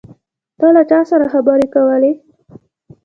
ته له چا سره خبرې کولې؟